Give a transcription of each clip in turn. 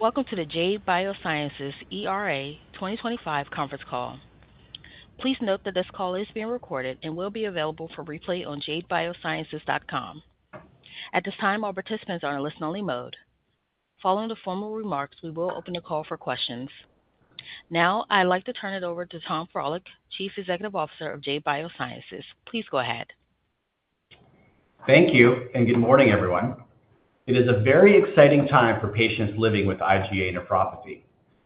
Welcome to the Jade Biosciences ERA 2025 Conference Call. Please note that this call is being recorded and will be available for replay on jadebiosciences.com. At this time, all participants are in listen-only mode. Following the formal remarks, we will open the call for questions. Now, I'd like to turn it over to Tom Frohlich, Chief Executive Officer of Jade Biosciences. Please go ahead. Thank you, and good morning, everyone. It is a very exciting time for patients living with IgA nephropathy.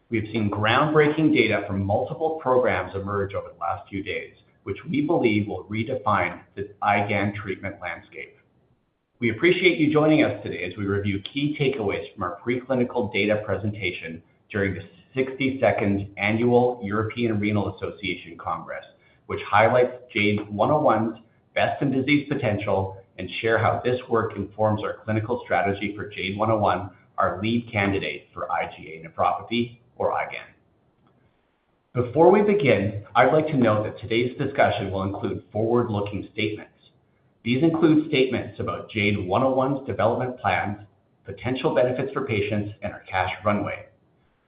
We have seen groundbreaking data from multiple programs emerge over the last few days, which we believe will redefine the IgAN treatment landscape. We appreciate you joining us today as we review key takeaways from our preclinical data presentation during the 62nd Annual European Renal Association Congress, which highlights JADE101's best-in-disease potential and shares how this work informs our clinical strategy for JADE101, our lead candidate for IgA nephropathy. Before we begin, I'd like to note that today's discussion will include forward-looking statements. These include statements about JADE101's development plans, potential benefits for patients, and our cash runway.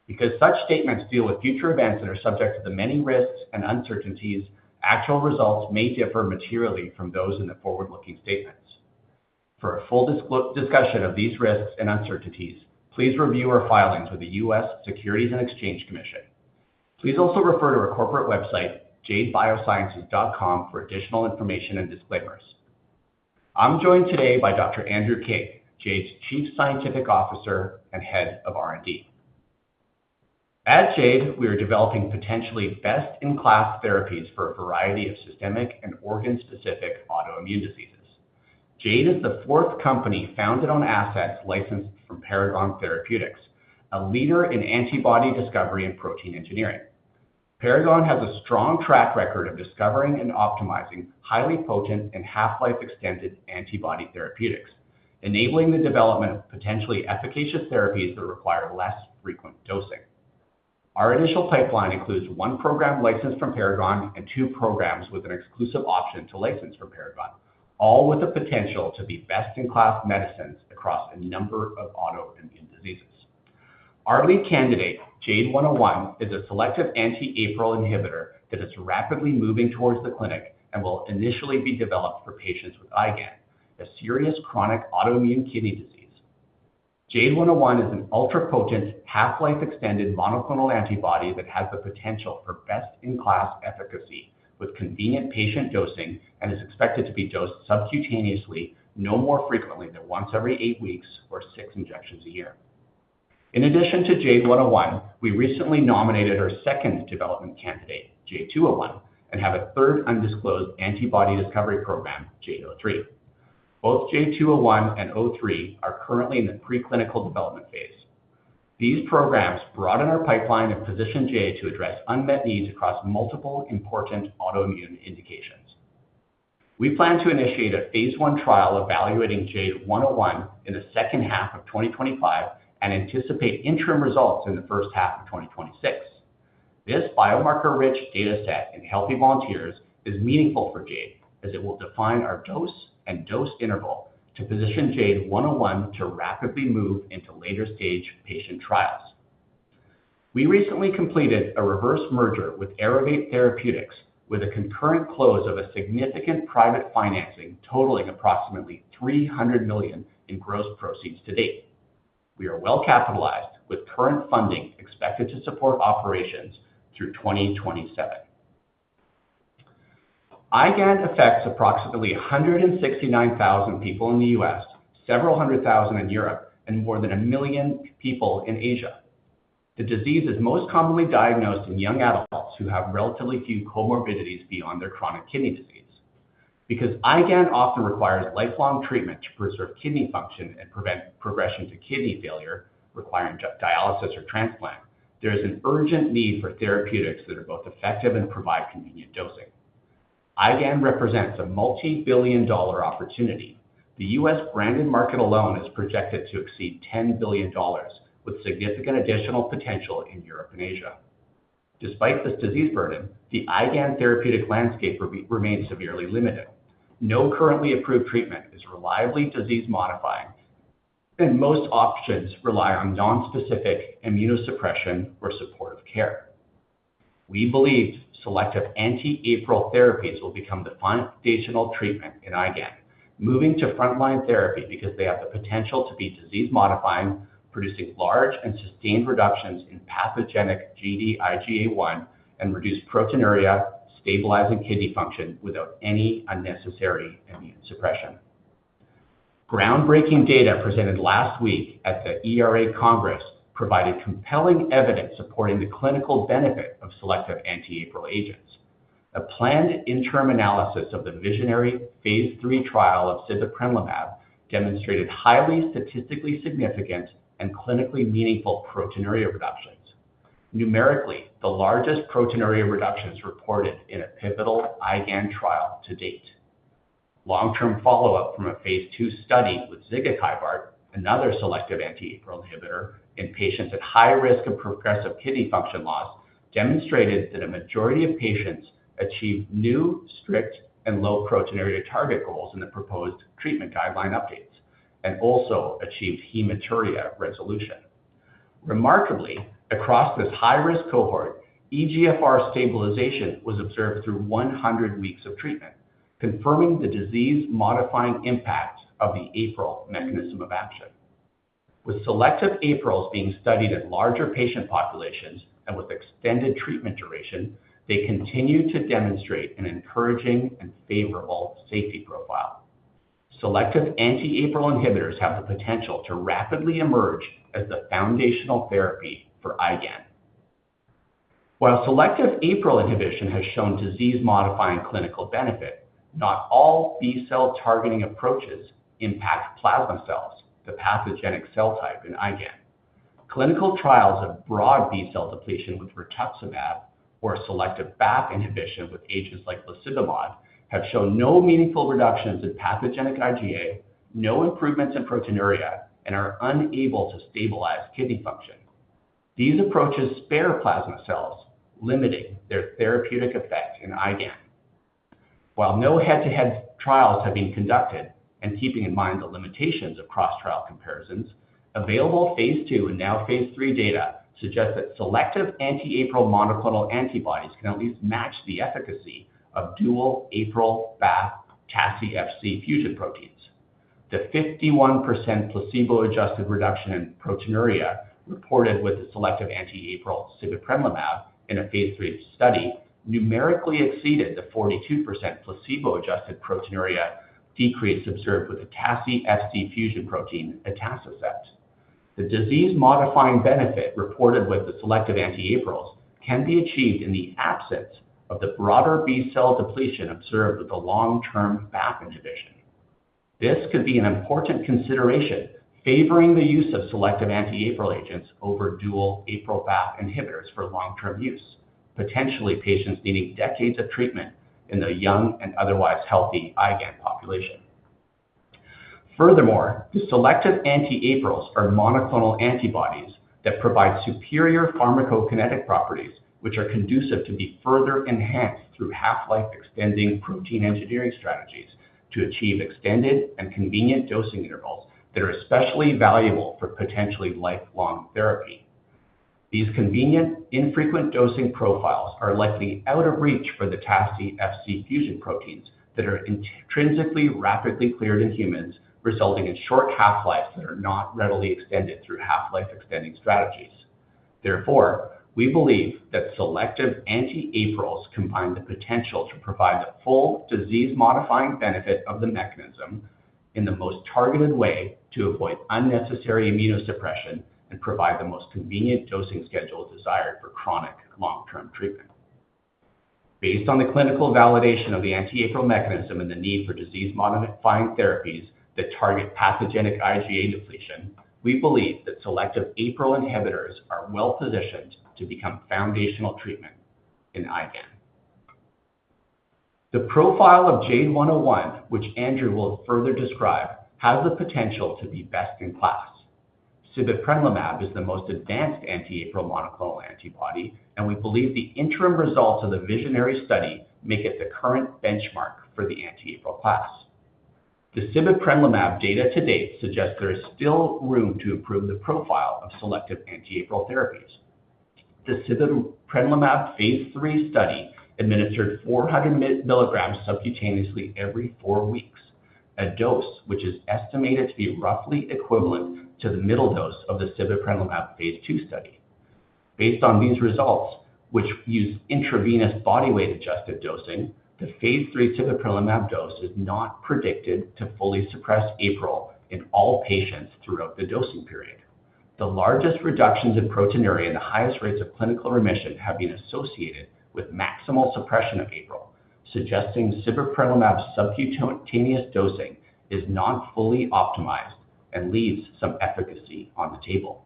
Because such statements deal with future events that are subject to the many risks and uncertainties, actual results may differ materially from those in the forward-looking statements. For a full discussion of these risks and uncertainties, please review our filings with the U.S. Securities and Exchange Commission. Please also refer to our corporate website, jadebiosciences.com, for additional information and disclaimers. I'm joined today by Dr. Andrew King, Jade's Chief Scientific Officer and Head of R&D. At Jade, we are developing potentially best-in-class therapies for a variety of systemic and organ-specific autoimmune diseases. Jade is the fourth company founded on assets licensed from Paragon Therapeutics, a leader in antibody discovery and protein engineering. Paragon has a strong track record of discovering and optimizing highly potent and half-life-extended antibody therapeutics, enabling the development of potentially efficacious therapies that require less frequent dosing. Our initial pipeline includes one program licensed from Paragon and two programs with an exclusive option to license from Paragon, all with the potential to be best-in-class medicines across a number of autoimmune diseases. Our lead candidate, JADE101, is a selective anti-APRIL inhibitor that is rapidly moving towards the clinic and will initially be developed for patients with IgAN a serious chronic autoimmune kidney disease. JADE101 is an ultra-potent, half-life-extended monoclonal antibody that has the potential for best-in-class efficacy with convenient patient dosing and is expected to be dosed subcutaneously, no more frequently than once every eight weeks or six injections a year. In addition to JADE101, we recently nominated our second development candidate, JADE201, and have a third undisclosed antibody discovery program, JADE-003. Both JADE201 and 03 are currently in the preclinical development phase. These programs broaden our pipeline and position Jade to address unmet needs across multiple important autoimmune indications. We plan to initiate a phase one trial evaluating JADE101 in the second half of 2025 and anticipate interim results in the first half of 2026. This biomarker-rich data set in healthy volunteers is meaningful for Jade, as it will define our dose and dose interval to position JADE101 to rapidly move into later-stage patient trials. We recently completed a reverse merger with Aerovate Therapeutics, with a concurrent close of a significant private financing totaling approximately $300 million in gross proceeds to date. We are well-capitalized, with current funding expected to support operations through 2027. IgAN affects approximately 169,000 people in the U.S., several hundred thousand in Europe, and more than a million people in Asia. The disease is most commonly diagnosed in young adults who have relatively few comorbidities beyond their chronic kidney disease. Because IgAN often requires lifelong treatment to preserve kidney function and prevent progression to kidney failure requiring dialysis or transplant, there is an urgent need for therapeutics that are both effective and provide convenient dosing. IgAN represents a multi-billion dollar opportunity. The U.S. branded market alone is projected to exceed $10 billion, with significant additional potential in Europe and Asia. Despite this disease burden, the IgA nephropathy therapeutic landscape remains severely limited. No currently approved treatment is reliably disease-modifying, and most options rely on nonspecific immunosuppression or supportive care. We believe selective anti-APRIL therapies will become the foundational treatment in IgAN, moving to frontline therapy because they have the potential to be disease-modifying, producing large and sustained reductions in pathogenic Gd-IgA1 and reduce proteinuria, stabilizing kidney function without any unnecessary immune suppression. Groundbreaking data presented last week at the ERA Congress provided compelling evidence supporting the clinical benefit of selective anti-APRIL agents. A planned interim analysis of the visionary phase three trial of sibeprenlimab demonstrated highly statistically significant and clinically meaningful proteinuria reductions, numerically the largest proteinuria reductions reported in a pivotal IgA nephropathy trial to date. Long-term follow-up from a phase II study with zigakibart, another selective anti-APRIL inhibitor, in patients at high risk of progressive kidney function loss demonstrated that a majority of patients achieved new strict and low proteinuria target goals in the proposed treatment guideline updates and also achieved hematuria resolution. Remarkably, across this high-risk cohort, eGFR stabilization was observed through 100 weeks of treatment, confirming the disease-modifying impact of the APRIL mechanism of action. With selective APRILs being studied in larger patient populations and with extended treatment duration, they continue to demonstrate an encouraging and favorable safety profile. Selective anti-APRIL inhibitors have the potential to rapidly emerge as the foundational therapy for IgA nephropathy. While selective APRIL inhibition has shown disease-modifying clinical benefit, not all B-cell targeting approaches impact plasma cells, the pathogenic cell type in IgAN. Clinical trials of broad B-cell depletion with rituximab or selective BAFF inhibition with agents like zigakibart have shown no meaningful reductions in pathogenic IgA, no improvements in proteinuria, and are unable to stabilize kidney function. These approaches spare plasma cells, limiting their therapeutic effect in IgAN. While no head-to-head trials have been conducted, and keeping in mind the limitations of cross-trial comparisons, available phase two and now phase three data suggest that selective anti-APRIL monoclonal antibodies can at least match the efficacy of dual APRIL-BAFF-TACI-Fc fusion proteins. The 51% placebo-adjusted reduction in proteinuria reported with the selective anti-APRIL sibeprenlimab in a phase three study numerically exceeded the 42% placebo-adjusted proteinuria decrease observed with the TACI-Fc fusion protein, atacicept. The disease-modifying benefit reported with the selective anti-APRILs can be achieved in the absence of the broader B-cell depletion observed with the long-term BAFF inhibition. This could be an important consideration, favoring the use of selective anti-APRIL agents over dual APRIL-BAFF inhibitors for long-term use, potentially patients needing decades of treatment in the young and otherwise healthy IgA nephropathy population. Furthermore, the selective anti-APRILs are monoclonal antibodies that provide superior pharmacokinetic properties, which are conducive to be further enhanced through half-life-extending protein engineering strategies to achieve extended and convenient dosing intervals that are especially valuable for potentially lifelong therapy. These convenient, infrequent dosing profiles are likely out of reach for the TACI-Fc fusion proteins that are intrinsically rapidly cleared in humans, resulting in short half-lives that are not readily extended through half-life-extending strategies. Therefore, we believe that selective anti-APRILs combine the potential to provide the full disease-modifying benefit of the mechanism in the most targeted way to avoid unnecessary immunosuppression and provide the most convenient dosing schedule desired for chronic long-term treatment. Based on the clinical validation of the anti-APRIL mechanism and the need for disease-modifying therapies that target pathogenic IgA depletion, we believe that selective APRIL inhibitors are well-positioned to become foundational treatment in IgAN. The profile of JADE101, which Andrew will further describe, has the potential to be best in class. Sibeprenlimab is the most advanced anti-APRIL monoclonal antibody, and we believe the interim results of the Visionary study make it the current benchmark for the anti-APRIL class. The sibeprenlimab data to date suggests there is still room to improve the profile of selective anti-APRIL therapies. The sibeprenlimab phase three study administered 400 mg subcutaneously every four weeks, a dose which is estimated to be roughly equivalent to the middle dose of the sibeprenlimab phase II study. Based on these results, which use intravenous body weight-adjusted dosing, the phase three sibeprenlimab dose is not predicted to fully suppress APRIL in all patients throughout the dosing period. The largest reductions in proteinuria and the highest rates of clinical remission have been associated with maximal suppression of APRIL, suggesting sibeprenlimab's subcutaneous dosing is not fully optimized and leaves some efficacy on the table.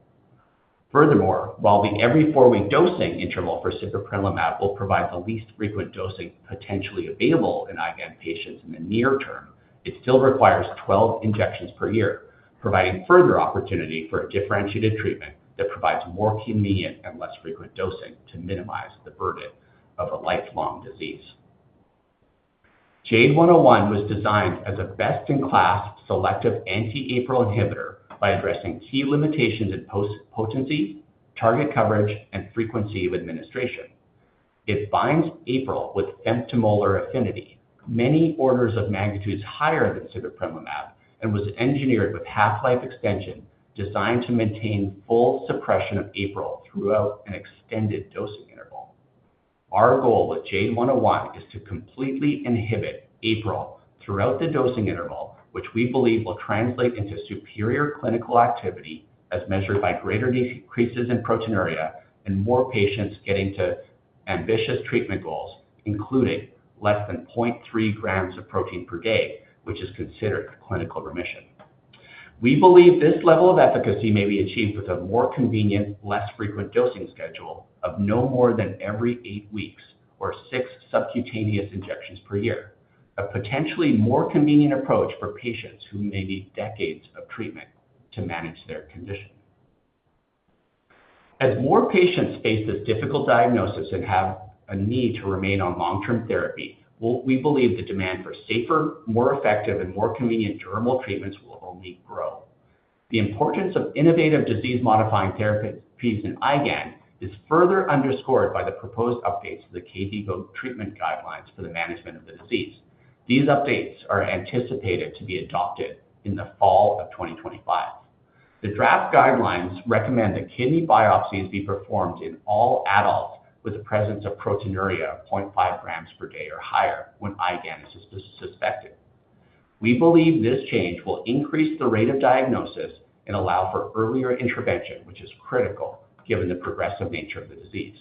Furthermore, while the every four-week dosing interval for sibeprenlimab will provide the least frequent dosing potentially available in IgAN patients in the near term, it still requires 12 injections per year, providing further opportunity for a differentiated treatment that provides more convenient and less frequent dosing to minimize the burden of a lifelong disease. JADE101 was designed as a best-in-class selective anti-APRIL inhibitor by addressing key limitations in potency, target coverage, and frequency of administration. It binds APRIL with femtomolar affinity, many orders of magnitude higher than sibeprenlimab, and was engineered with half-life extension designed to maintain full suppression of APRIL throughout an extended dosing interval. Our goal with JADE101 is to completely inhibit APRIL throughout the dosing interval, which we believe will translate into superior clinical activity as measured by greater decreases in proteinuria and more patients getting to ambitious treatment goals, including less than 0.3 g of protein per day, which is considered clinical remission. We believe this level of efficacy may be achieved with a more convenient, less frequent dosing schedule of no more than every eight weeks or six subcutaneous injections per year, a potentially more convenient approach for patients who may need decades of treatment to manage their condition. As more patients face this difficult diagnosis and have a need to remain on long-term therapy, we believe the demand for safer, more effective, and more convenient durable treatments will only grow. The importance of innovative disease-modifying therapies in IgA nephropathy is further underscored by the proposed updates to the KDIGO treatment guidelines for the management of the disease. These updates are anticipated to be adopted in the fall of 2025. The draft guidelines recommend that kidney biopsies be performed in all adults with the presence of proteinuria of 0.5 g per day or higher when IgAN is suspected. We believe this change will increase the rate of diagnosis and allow for earlier intervention, which is critical given the progressive nature of the disease.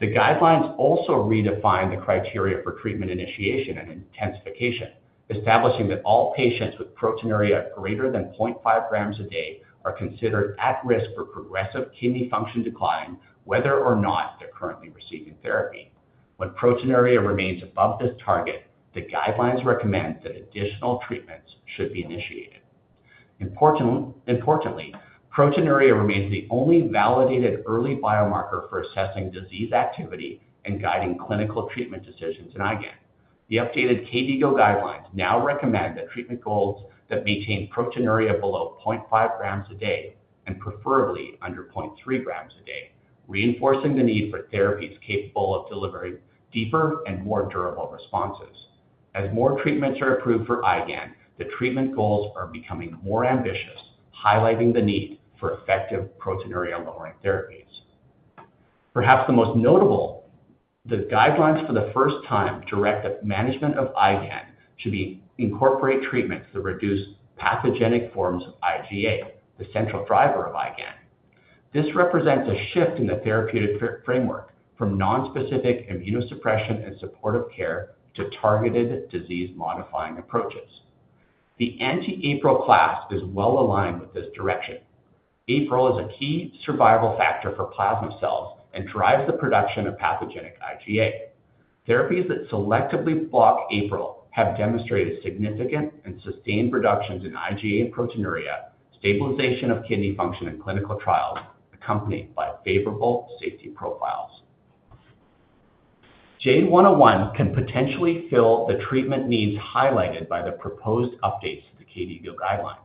The guidelines also redefine the criteria for treatment initiation and intensification, establishing that all patients with proteinuria greater than 0.5 g a day are considered at risk for progressive kidney function decline, whether or not they're currently receiving therapy. When proteinuria remains above this target, the guidelines recommend that additional treatments should be initiated. Importantly, proteinuria remains the only validated early biomarker for assessing disease activity and guiding clinical treatment decisions in IgA nephropathy. The updated KDIGO guidelines now recommend that treatment goals that maintain proteinuria below 0.5 g a day and preferably under 0.3 g a day, reinforcing the need for therapies capable of delivering deeper and more durable responses. As more treatments are approved for IgAN, the treatment goals are becoming more ambitious, highlighting the need for effective proteinuria-lowering therapies. Perhaps the most notable, the guidelines for the first time direct that management of IgAN should incorporate treatments that reduce pathogenic forms of IgA, the central driver of IgAN. This represents a shift in the therapeutic framework from nonspecific immunosuppression and supportive care to targeted disease-modifying approaches. The anti-APRIL class is well aligned with this direction. APRIL is a key survival factor for plasma cells and drives the production of pathogenic IgA. Therapies that selectively block APRIL have demonstrated significant and sustained reductions in IgA proteinuria, stabilization of kidney function in clinical trials, accompanied by favorable safety profiles. JADE101 can potentially fill the treatment needs highlighted by the proposed updates to the KDIGO guidelines.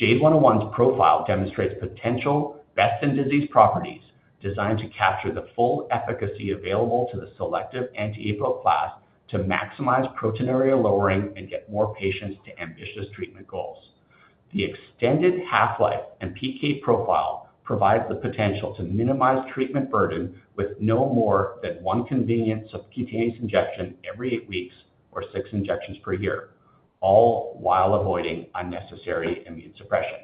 JADE101's profile demonstrates potential best-in-disease properties designed to capture the full efficacy available to the selective anti-APRIL class to maximize proteinuria lowering and get more patients to ambitious treatment goals. The extended half-life and PK profile provides the potential to minimize treatment burden with no more than one convenient subcutaneous injection every eight weeks or six injections per year, all while avoiding unnecessary immune suppression.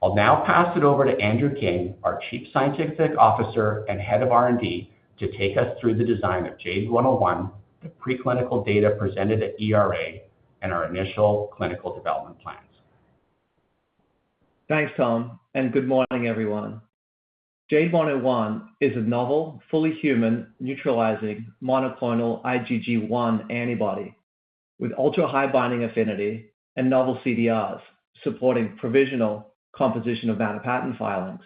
I'll now pass it over to Andrew King, our Chief Scientific Officer and Head of R&D, to take us through the design of JADE101, the preclinical data presented at ERA, and our initial clinical development plans. Thanks, Tom, and good morning, everyone. JADE01 is a novel, fully human, neutralizing monoclonal IgG1 antibody with ultra-high binding affinity and novel CDRs supporting provisional composition of vanopatin filings.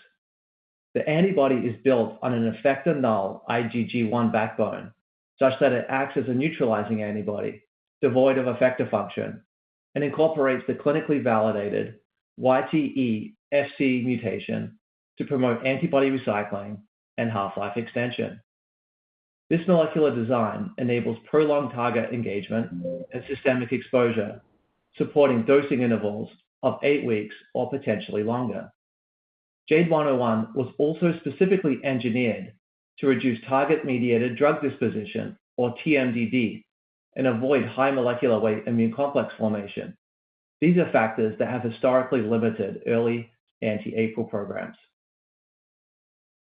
The antibody is built on an effector null IgG1 backbone such that it acts as a neutralizing antibody devoid of effector function and incorporates the clinically validated YTE Fc mutation to promote antibody recycling and half-life extension. This molecular design enables prolonged target engagement and systemic exposure, supporting dosing intervals of eight weeks or potentially longer. JADE101 was also specifically engineered to reduce target-mediated drug disposition, or TMDD, and avoid high molecular weight immune complex formation. These are factors that have historically limited early anti-APRIL programs.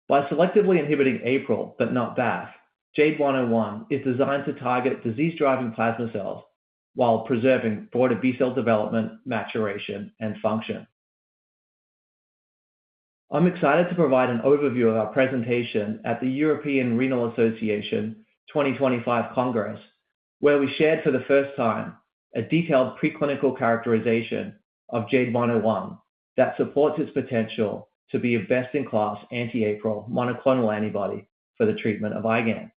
By selectively inhibiting APRIL but not BAFF, JADE101 is designed to target disease-driving plasma cells while preserving broader B-cell development, maturation, and function. I'm excited to provide an overview of our presentation at the European Renal Association 2025 Congress, where we shared for the first time a detailed preclinical characterization of JADE101 that supports its potential to be a best-in-class anti-APRIL monoclonal antibody for the treatment of IgAN.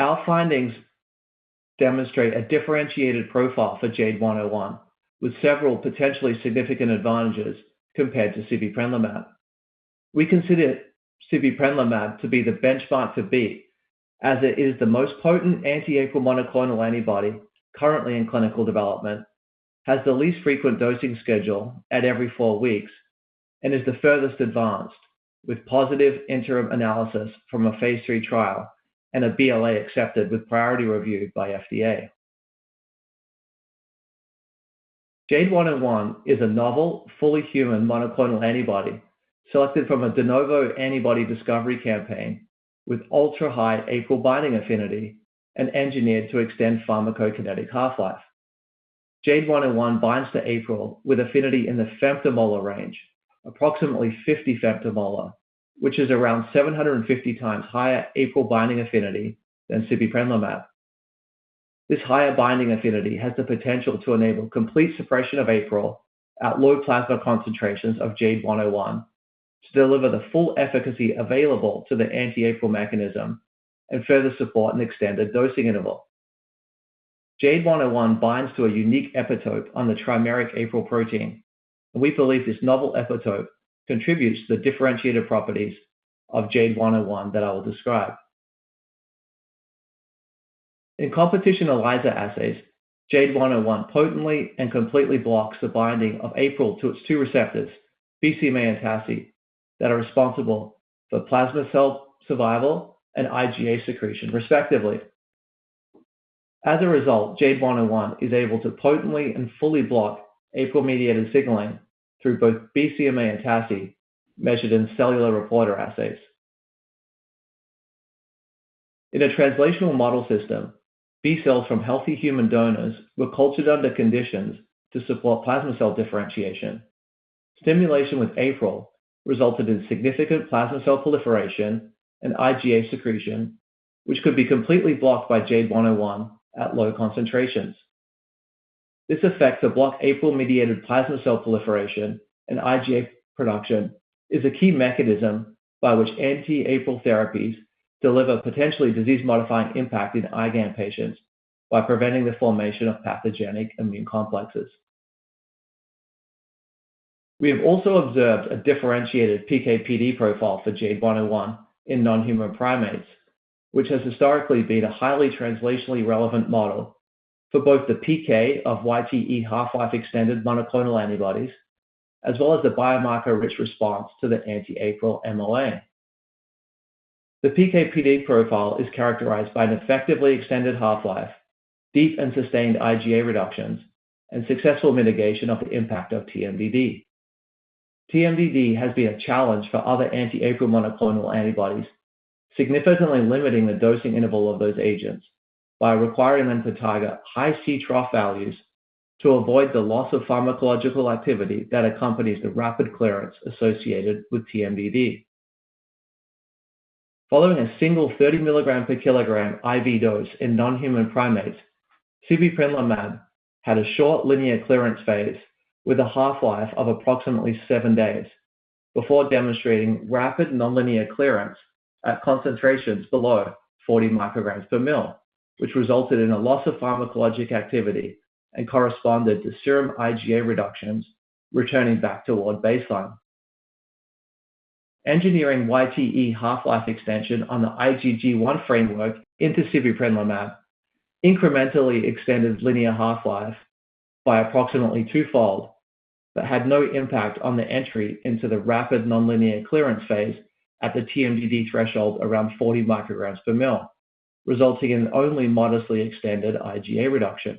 Our findings demonstrate a differentiated profile for JADE101, with several potentially significant advantages compared to sibeprenlimab. We consider sibeprenlimab to be the benchmark to beat, as it is the most potent anti-APRIL monoclonal antibody currently in clinical development, has the least frequent dosing schedule at every four weeks, and is the furthest advanced, with positive interim analysis from a phase three trial and a BLA accepted with priority review by FDA. JADE101 is a novel, fully human monoclonal antibody selected from a de novo antibody discovery campaign with ultra-high APRIL binding affinity and engineered to extend pharmacokinetic half-life. JADE101 binds to APRIL with affinity in the femtomolar range, approximately 50 femtomolar, which is around 750 times higher APRIL binding affinity than sibeprenlimab. This higher binding affinity has the potential to enable complete suppression of APRIL at low plasma concentrations of JADE101 to deliver the full efficacy available to the anti-APRIL mechanism and further support an extended dosing interval. JADE101 binds to a unique epitope on the trimeric APRIL protein, and we believe this novel epitope contributes to the differentiated properties of JADE101 that I will describe. In competition ELISA assays, JADE101 potently and completely blocks the binding of APRIL to its two receptors, BCMA and TACI, that are responsible for plasma cell survival and IgA secretion, respectively. As a result, JADE101 is able to potently and fully block APRIL-mediated signaling through both BCMA and TACI measured in cellular reporter assays. In a translational model system, B-cells from healthy human donors were cultured under conditions to support plasma cell differentiation. Stimulation with APRIL resulted in significant plasma cell proliferation and IgA secretion, which could be completely blocked by JADE101 at low concentrations. This effect to block APRIL-mediated plasma cell proliferation and IgA production is a key mechanism by which anti-APRIL therapies deliver potentially disease-modifying impact in IgANpatients by preventing the formation of pathogenic immune complexes. We have also observed a differentiated PK/PD profile for JADE101 in non-human primates, which has historically been a highly translationally relevant model for both the PK of YTE half-life extended monoclonal antibodies as well as the biomarker-rich response to the anti-APRIL mAb. The PK/PD profile is characterized by an effectively extended half-life, deep and sustained IgA reductions, and successful mitigation of the impact of TMDD. TMDD has been a challenge for other anti-APRIL monoclonal antibodies, significantly limiting the dosing interval of those agents by requiring them to target high C trough values to avoid the loss of pharmacological activity that accompanies the rapid clearance associated with TMDD. Following a single 30 mg per kg IV dose in non-human primates, sibeprenlimab had a short linear clearance phase with a half-life of approximately seven days before demonstrating rapid non-linear clearance at concentrations below 40 micrograms per ml, which resulted in a loss of pharmacologic activity and corresponded to serum IgA reductions returning back toward baseline. Engineering YTE half-life extension on the IgG1 framework into sibeprenlimab incrementally extended linear half-life by approximately twofold but had no impact on the entry into the rapid non-linear clearance phase at the TMDD threshold around 40 micrograms per ml, resulting in only modestly extended IgA reduction.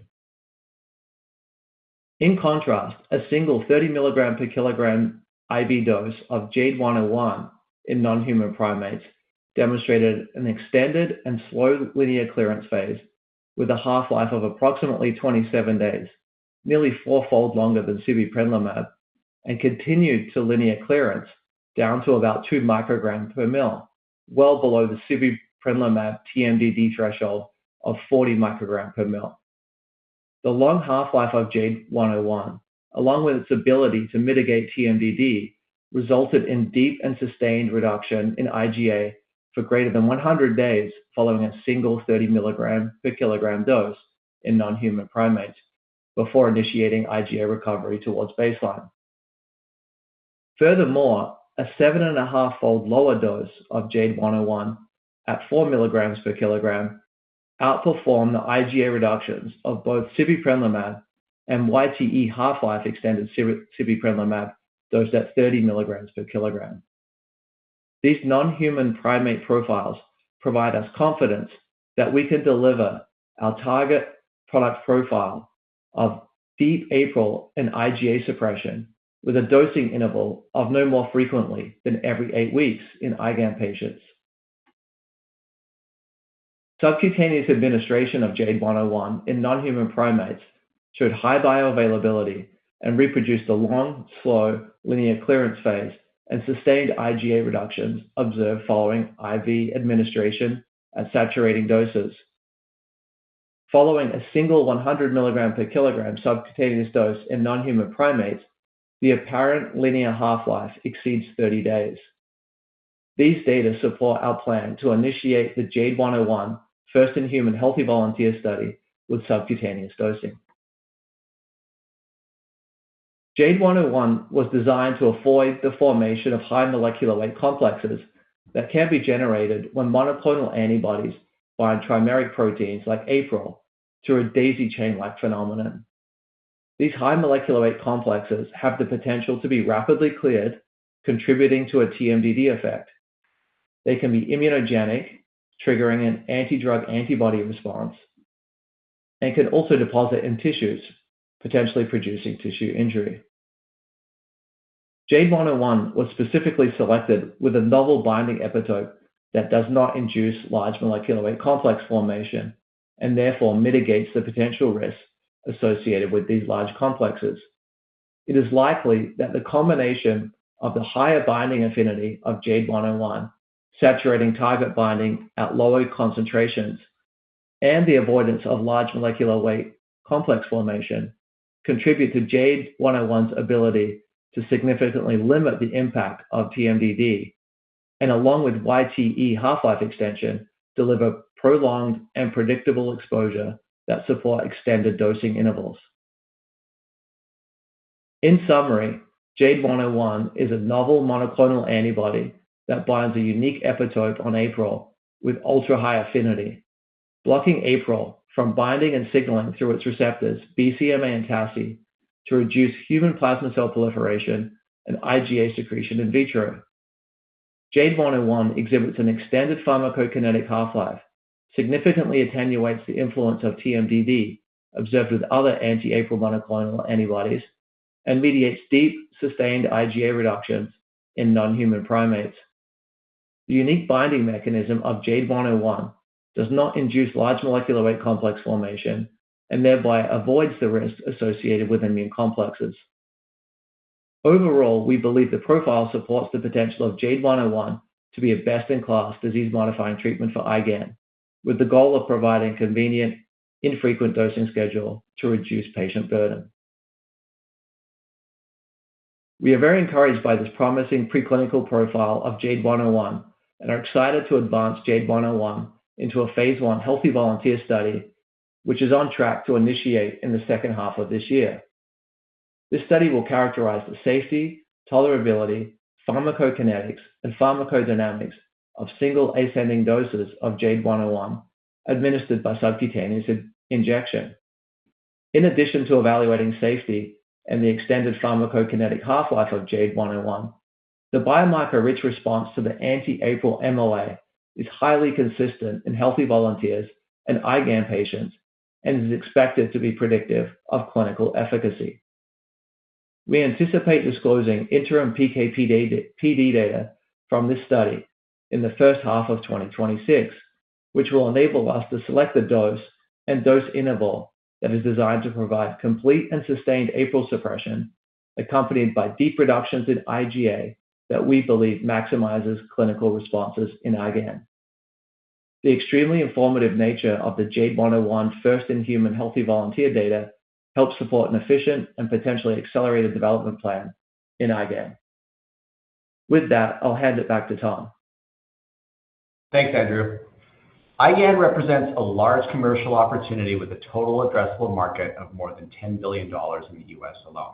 In contrast, a single 30 mg per kg IV dose of JADE101 in non-human primates demonstrated an extended and slow linear clearance phase with a half-life of approximately 27 days, nearly fourfold longer than sibeprenlimab, and continued to linear clearance down to about 2 micrograms per ml, well below the sibeprenlimab TMDD threshold of 40 micrograms per ml. The long half-life of JADE101, along with its ability to mitigate TMDD, resulted in deep and sustained reduction in IgA for greater than 100 days following a single 30 mg per kg dose in non-human primates before initiating IgA recovery towards baseline. Furthermore, a seven and a half-fold lower dose of JADE101 at 4 mgs per kg outperformed the IgA reductions of both sibeprenlimab and YTE half-life extended sibeprenlimab dosed at 30 mg per kg. These non-human primate profiles provide us confidence that we can deliver our target product profile of deep APRIL and IgA suppression with a dosing interval of no more frequently than every eight weeks in IgA nephropathy patients. Subcutaneous administration of JADE101 in non-human primates showed high bioavailability and reproduced the long, slow linear clearance phase and sustained IgA reductions observed following IV administration at saturating doses. Following a single 100 mg per kg subcutaneous dose in non-human primates, the apparent linear half-life exceeds 30 days. These data support our plan to initiate the JADE101 first-in-human healthy volunteer study with subcutaneous dosing. JADE101 was designed to avoid the formation of high molecular weight complexes that can be generated when monoclonal antibodies bind trimeric proteins like APRIL through a daisy-chain-like phenomenon. These high molecular weight complexes have the potential to be rapidly cleared, contributing to a TMDD effect. They can be immunogenic, triggering an anti-drug antibody response, and can also deposit in tissues, potentially producing tissue injury. JADE101 was specifically selected with a novel binding epitope that does not induce large molecular weight complex formation and therefore mitigates the potential risk associated with these large complexes. It is likely that the combination of the higher binding affinity of JADE101, saturating target binding at lower concentrations, and the avoidance of large molecular weight complex formation contribute to Jade 101's ability to significantly limit the impact of TMDD, and along with YTE half-life extension, deliver prolonged and predictable exposure that support extended dosing intervals. In summary, JADE01 is a novel monoclonal antibody that binds a unique epitope on APRIL with ultra-high affinity, blocking APRIL from binding and signaling through its receptors BCMA and TACI to reduce human plasma cell proliferation and IgA secretion in vitro. JADE101 exhibits an extended pharmacokinetic half-life, significantly attenuates the influence of TMDD observed with other anti-APRIL monoclonal antibodies, and mediates deep, sustained IgA reductions in non-human primates. The unique binding mechanism of JADE101 does not induce large molecular weight complex formation and thereby avoids the risk associated with immune complexes. Overall, we believe the profile supports the potential of JADE101 to be a best-in-class disease-modifying treatment for IgAN, with the goal of providing a convenient, infrequent dosing schedule to reduce patient burden. We are very encouraged by this promising preclinical profile of JADE101 and are excited to advance JADE101 into a phase one healthy volunteer study, which is on track to initiate in the second half of this year. This study will characterize the safety, tolerability, pharmacokinetics, and pharmacodynamics of single ascending doses of JADE101 administered by subcutaneous injection. In addition to evaluating safety and the extended pharmacokinetic half-life of JADE101, the biomarker-rich response to the anti-APRIL mAb is highly consistent in healthy volunteers and IgAN patients and is expected to be predictive of clinical efficacy. We anticipate disclosing interim PK/PD data from this study in the first half of 2026, which will enable us to select the dose and dose interval that is designed to provide complete and sustained APRIL suppression accompanied by deep reductions in IgA that we believe maximizes clinical responses in IgA nephropathy. The extremely informative nature of the JADE101 first-in-human healthy volunteer data helps support an efficient and potentially accelerated development plan in IgAN. With that, I'll hand it back to Tom. Thanks, Andrew. IgANrepresents a large commercial opportunity with a total addressable market of more than $10 billion in the U.S. alone.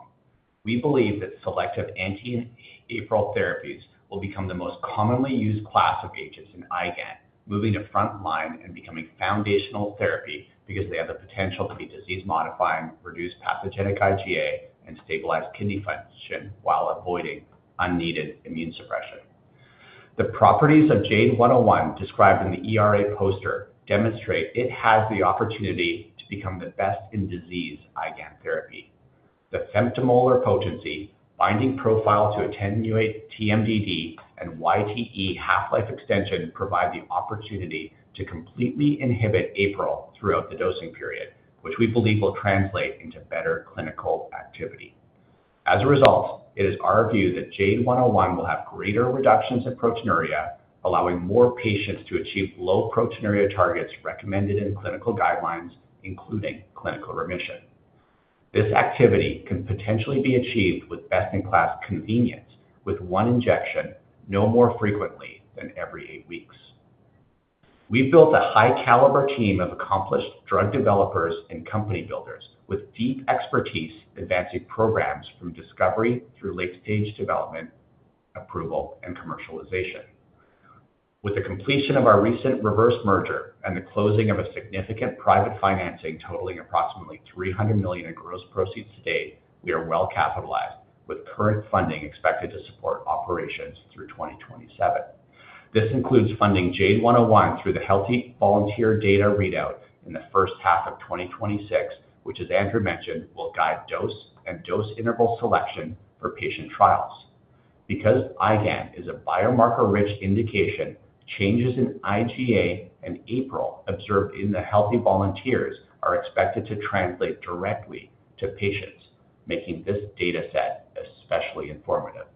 We believe that selective anti-APRIL therapies will become the most commonly used class of agents in IgAN, moving to front line and becoming foundational therapy because they have the potential to be disease-modifying, reduce pathogenic IgA, and stabilize kidney function while avoiding unneeded immune suppression. The properties of JADE101 described in the ERA poster demonstrate it has the opportunity to become the best-in-disease IgAN therapy. The femtomolar potency, binding profile to attenuate TMDD, and YTE half-life extension provide the opportunity to completely inhibit APRIL throughout the dosing period, which we believe will translate into better clinical activity. As a result, it is our view that JADE101 will have greater reductions in proteinuria, allowing more patients to achieve low proteinuria targets recommended in clinical guidelines, including clinical remission. This activity can potentially be achieved with best-in-class convenience with one injection, no more frequently than every eight weeks. We've built a high-caliber team of accomplished drug developers and company builders with deep expertise advancing programs from discovery through late-stage development, approval, and commercialization. With the completion of our recent reverse merger and the closing of a significant private financing totaling approximately $300 million in gross proceeds to date, we are well capitalized, with current funding expected to support operations through 2027. This includes funding JADE101 through the healthy volunteer data readout in the first half of 2026, which, as Andrew mentioned, will guide dose and dose interval selection for patient trials. Because IgAN is a biomarker-rich indication, changes in IgA and APRIL observed in the healthy volunteers are expected to translate directly to patients, making this data set especially informative.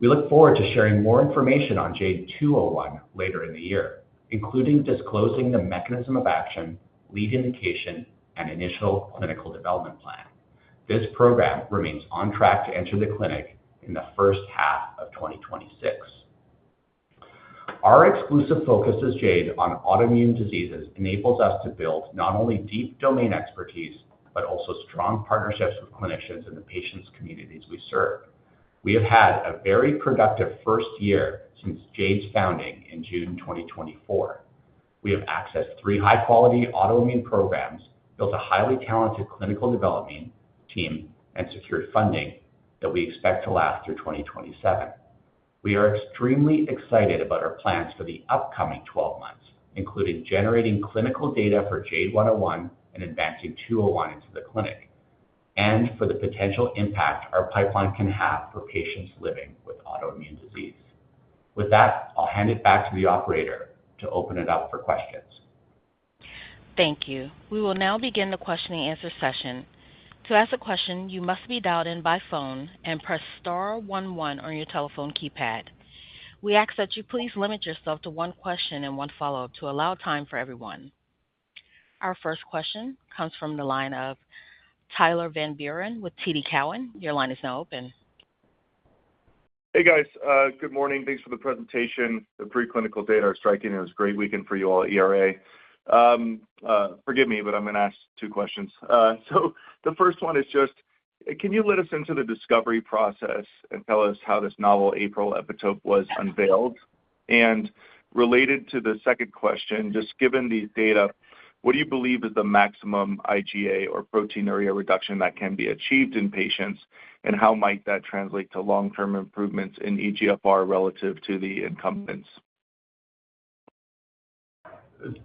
We look forward to sharing more information on JADE201 later in the year, including disclosing the mechanism of action, lead indication, and initial clinical development plan. This program remains on track to enter the clinic in the first half of 2026. Our exclusive focus as Jade on autoimmune diseases enables us to build not only deep domain expertise but also strong partnerships with clinicians in the patients' communities we serve. We have had a very productive first year since Jade's founding in June 2024. We have accessed three high-quality autoimmune programs, built a highly talented clinical development team, and secured funding that we expect to last through 2027. We are extremely excited about our plans for the upcoming 12 months, including generating clinical data for JADE101 and advancing 201 into the clinic, and for the potential impact our pipeline can have for patients living with autoimmune disease. With that, I'll hand it back to the operator to open it up for questions. Thank you. We will now begin the question-and-answer session. To ask a question, you must be dialed in by phone and press star one one on your telephone keypad. We ask that you please limit yourself to one question and one follow-up to allow time for everyone. Our first question comes from the line of Tyler Van Buren with TD Cowen. Your line is now open. Hey, guys. Good morning. Thanks for the presentation. The preclinical data are striking. It was a great weekend for you all at ERA. Forgive me, but I'm going to ask two questions. The first one is just, can you let us into the discovery process and tell us how this novel APRIL epitope was unveiled? Related to the second question, just given these data, what do you believe is the maximum IgA or proteinuria reduction that can be achieved in patients, and how might that translate to long-term improvements in eGFR relative to the incumbents?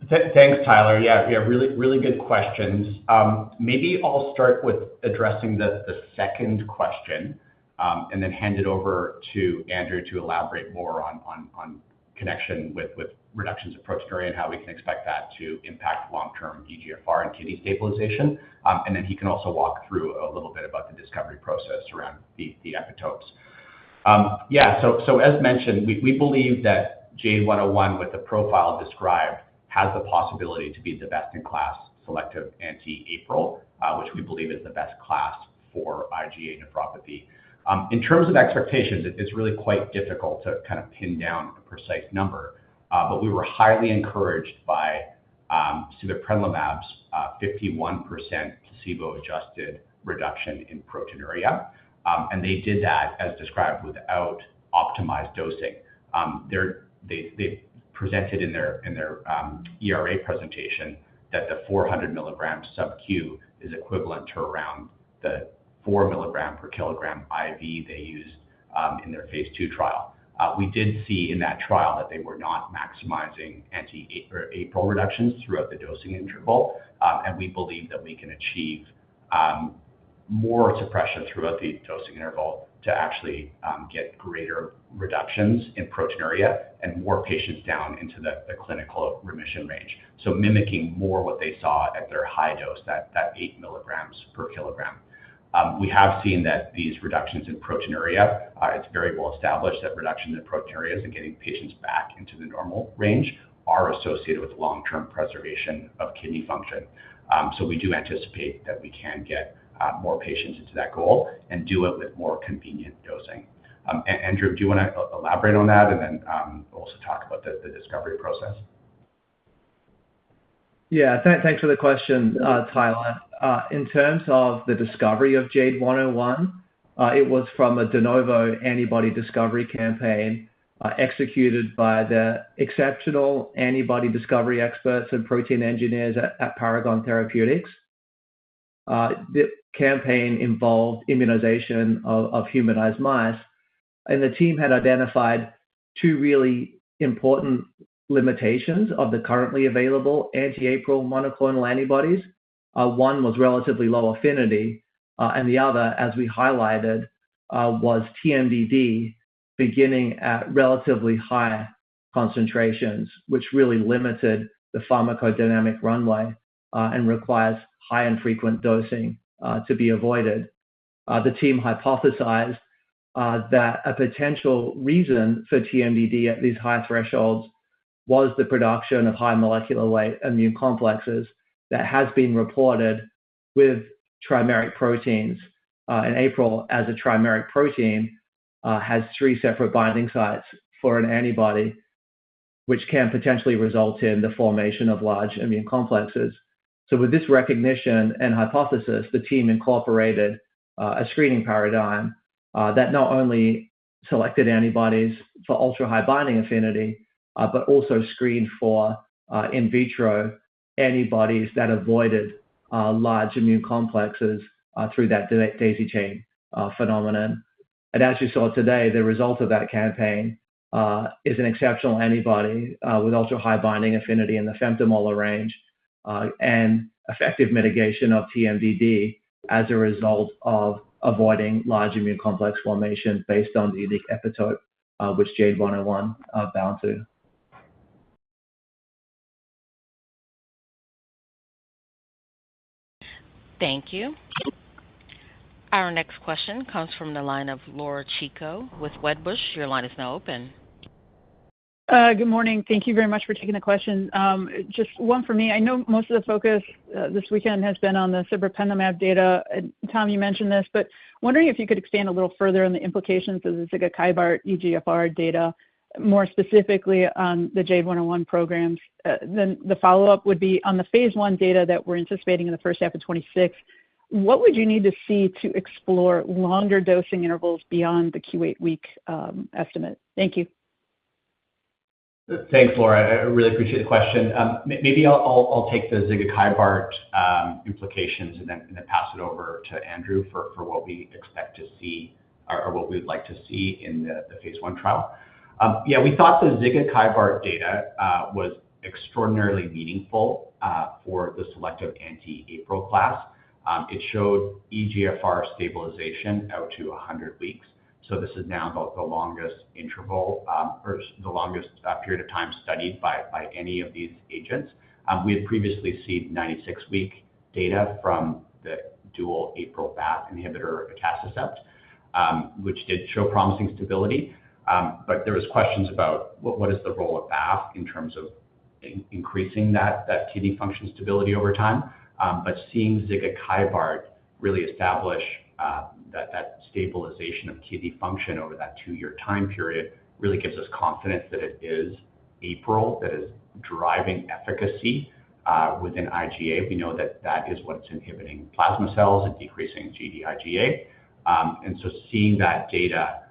Thanks, Tyler. Yeah, really good questions. Maybe I'll start with addressing the second question and then hand it over to Andrew to elaborate more on connection with reductions of proteinuria and how we can expect that to impact long-term eGFR and kidney stabilization. He can also walk through a little bit about the discovery process around the epitopes. Yeah, as mentioned, we believe that JADE101 with the profile described has the possibility to be the best-in-class selective anti-APRIL, which we believe is the best class for IgA nephropathy. In terms of expectations, it's really quite difficult to kind of pin down a precise number, but we were highly encouraged by sibeprenlimab's 51% placebo-adjusted reduction in proteinuria. They did that, as described, without optimized dosing. They presented in their ERA presentation that the 400 mg subQ is equivalent to around the 4 mg per kg IV they used in their phase II trial. We did see in that trial that they were not maximizing anti-APRIL reductions throughout the dosing interval, and we believe that we can achieve more suppression throughout the dosing interval to actually get greater reductions in proteinuria and more patients down into the clinical remission range. Mimicking more what they saw at their high dose, that 8 mg per kg. We have seen that these reductions in proteinuria—it's very well established that reductions in proteinuria and getting patients back into the normal range—are associated with long-term preservation of kidney function. We do anticipate that we can get more patients into that goal and do it with more convenient dosing. Andrew, do you want to elaborate on that and then also talk about the discovery process? Yeah, thanks for the question, Tyler. In terms of the discovery of JADE101, it was from a de novo antibody discovery campaign executed by the exceptional antibody discovery experts and protein engineers at Paragon Therapeutics. The campaign involved immunization of humanized mice, and the team had identified two really important limitations of the currently available anti-APRIL monoclonal antibodies. One was relatively low affinity, and the other, as we highlighted, was TMDD beginning at relatively high concentrations, which really limited the pharmacodynamic runway and requires high and frequent dosing to be avoided. The team hypothesized that a potential reason for TMDD at these high thresholds was the production of high molecular weight immune complexes that has been reported with trimeric proteins. APRIL, as a trimeric protein, has three separate binding sites for an antibody, which can potentially result in the formation of large immune complexes. With this recognition and hypothesis, the team incorporated a screening paradigm that not only selected antibodies for ultra-high binding affinity but also screened for in vitro antibodies that avoided large immune complexes through that daisy chain phenomenon. As you saw today, the result of that campaign is an exceptional antibody with ultra-high binding affinity in the femtomolar range and effective mitigation of TMDD as a result of avoiding large immune complex formation based on the unique epitope which JADE101 bound to. Thank you. Our next question comes from the line of Laura Chico with Wedbush. Your line is now open. Good morning. Thank you very much for taking the question. Just one for me. I know most of the focus this weekend has been on the sibeprenlimab data. Tom, you mentioned this, but wondering if you could expand a little further on the implications of the zigakibart eGFR data, more specifically on the JADE101 programs. The follow-up would be on the phase one data that we're anticipating in the first half of 2026. What would you need to see to explore longer dosing intervals beyond the Q8 week estimate? Thank you. Thanks, Laura. I really appreciate the question. Maybe I'll take the zigakibart implications and then pass it over to Andrew for what we expect to see or what we'd like to see in the phase one trial. Yeah, we thought the zigakibart data was extraordinarily meaningful for the selective anti-APRIL class. It showed eGFR stabilization out to 100 weeks. This is now the longest interval or the longest period of time studied by any of these agents. We had previously seen 96-week data from the dual APRIL BAFF inhibitor, atacicept, which did show promising stability. There were questions about what is the role of BAFF in terms of increasing that kidney function stability over time. But seeing zigakibart really establish that stabilization of kidney function over that two-year time period really gives us confidence that it is APRIL that is driving efficacy within IgA. We know that that is what's inhibiting plasma cells and decreasing Gd-IgA. And so seeing that data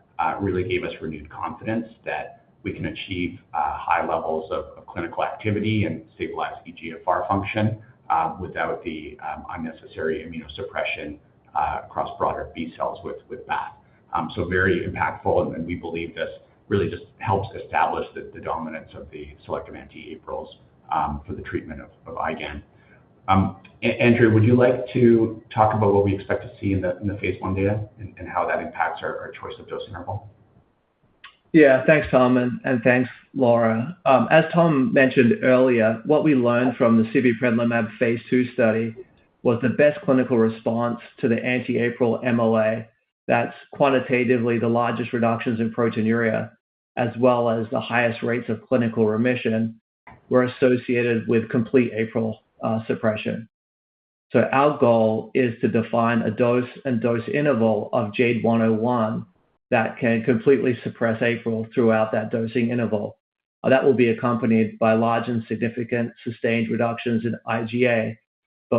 really gave us renewed confidence that we can achieve high levels of clinical activity and stabilize eGFR function without the unnecessary immunosuppression across broader B cells with BAFF. Very impactful, and we believe this really just helps establish the dominance of the selective anti-APRILs for the treatment of IgA. Andrew, would you like to talk about what we expect to see in the phase one data and how that impacts our choice of dose interval? Yeah, thanks, Tom, and thanks, Laura. As Tom mentioned earlier, what we learned from the sibeprenlimab phase two study was the best clinical response to the anti-APRIL mAb, that's quantitatively the largest reductions in proteinuria, as well as the highest rates of clinical remission, were associated with complete APRIL suppression. Our goal is to define a dose and dose interval of JADE101 that can completely suppress APRIL throughout that dosing interval. That will be accompanied by large and significant sustained reductions in IgA.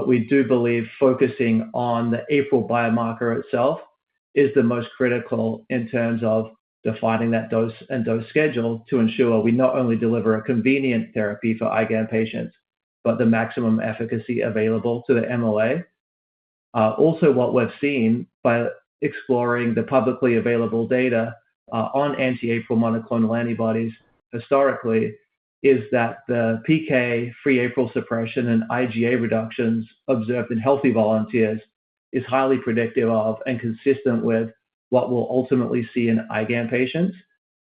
We do believe focusing on the APRIL biomarker itself is the most critical in terms of defining that dose and dose schedule to ensure we not only deliver a convenient therapy for IgAN patients, but the maximum efficacy available to the mAb. Also, what we've seen by exploring the publicly available data on anti-APRIL monoclonal antibodies historically is that the PK, free APRIL suppression, and IgA reductions observed in healthy volunteers is highly predictive of and consistent with what we'll ultimately see in IgAN patients.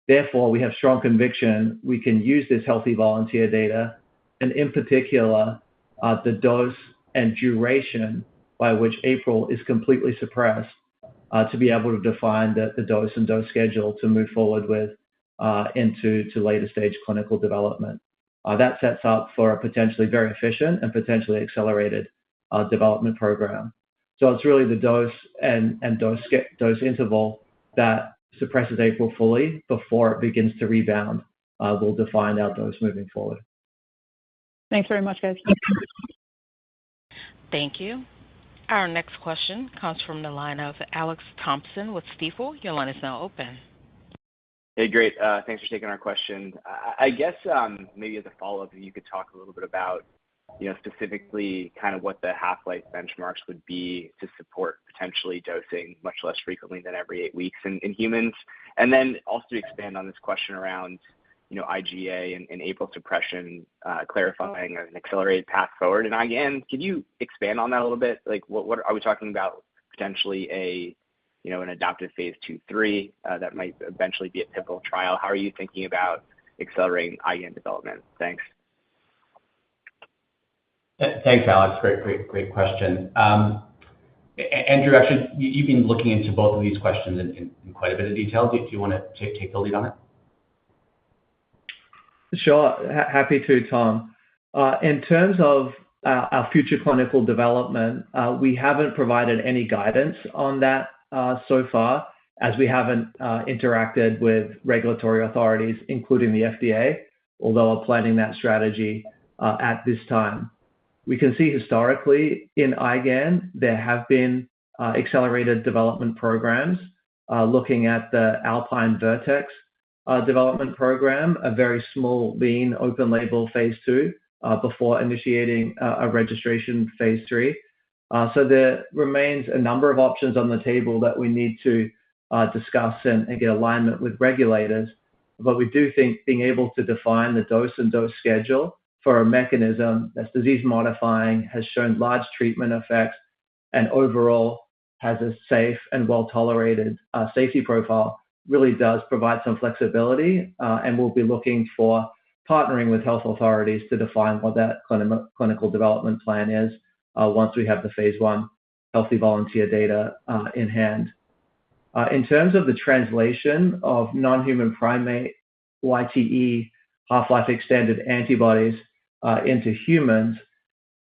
Therefore, we have strong conviction we can use this healthy volunteer data and, in particular, the dose and duration by which APRIL is completely suppressed to be able to define the dose and dose schedule to move forward with into later-stage clinical development. That sets up for a potentially very efficient and potentially accelerated development program. It is really the dose and dose interval that suppresses APRIL fully before it begins to rebound. We'll define that dose moving forward. Thanks very much, guys. Thank you. Our next question comes from the line of Alex Thompson with Stifel. Your line is now open. Hey, great. Thanks for taking our question. I guess maybe as a follow-up, if you could talk a little bit about specifically kind of what the half-life benchmarks would be to support potentially dosing much less frequently than every eight weeks in humans. Also, to expand on this question around IgA and APRIL suppression, clarifying an accelerated path forward in IgAN. Could you expand on that a little bit? Are we talking about potentially an adaptive phase two, three that might eventually be a pivotal trial? How are you thinking about accelerating IgAN development? Thanks. Thanks, Alex. Great question. Andrew, actually, you've been looking into both of these questions in quite a bit of detail. Do you want to take the lead on it? Sure. Happy to, Tom. In terms of our future clinical development, we haven't provided any guidance on that so far as we haven't interacted with regulatory authorities, including the FDA, although we're planning that strategy at this time. We can see historically in IgAN, there have been accelerated development programs looking at the Alpine, Vertex development program, a very small lean open-label phase two before initiating a registration phase three. There remains a number of options on the table that we need to discuss and get alignment with regulators. We do think being able to define the dose and dose schedule for a mechanism that's disease-modifying, has shown large treatment effects, and overall has a safe and well-tolerated safety profile really does provide some flexibility. We will be looking for partnering with health authorities to define what that clinical development plan is once we have the phase one healthy volunteer data in hand. In terms of the translation of non-human primate YTE half-life extended antibodies into humans,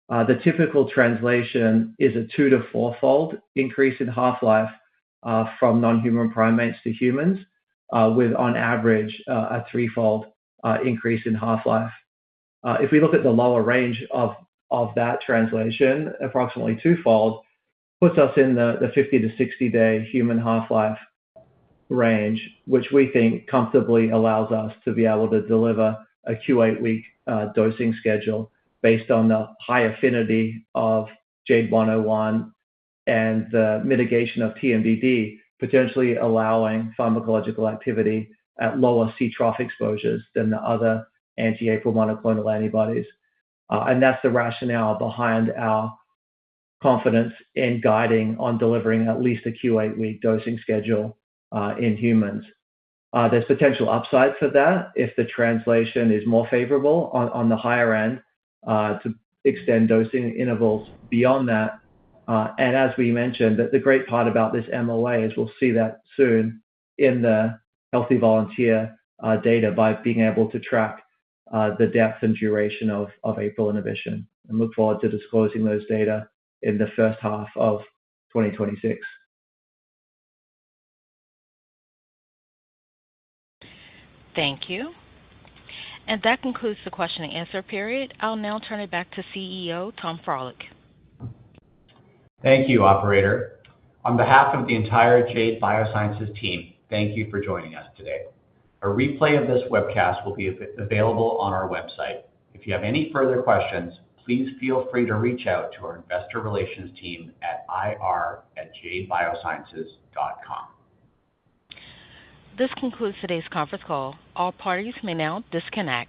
the typical translation is a two- to four-fold increase in half-life from non-human primates to humans, with on average a three-fold increase in half-life. If we look at the lower range of that translation, approximately two-fold, it puts us in the 50-60 day human half-life range, which we think comfortably allows us to be able to deliver a Q8 week dosing schedule based on the high affinity of JADE101 and the mitigation of TMDD, potentially allowing pharmacological activity at lower C trough exposures than the other anti-APRIL monoclonal antibodies. That is the rationale behind our confidence in guiding on delivering at least a Q8 week dosing schedule in humans. There is potential upside for that if the translation is more favorable on the higher end to extend dosing intervals beyond that. As we mentioned, the great part about this MLA is we will see that soon in the healthy volunteer data by being able to track the depth and duration of APRIL inhibition. We look forward to disclosing those data in the first half of 2026. Thank you. That concludes the question and answer period. I will now turn it back to CEO Tom Frohlich. Thank you, Operator. On behalf of the entire Jade Biosciences team, thank you for joining us today. A replay of this webcast will be available on our website. If you have any further questions, please feel free to reach out to our investor relations team at ir@jadebiosciences.com. This concludes today's conference call. All parties may now disconnect.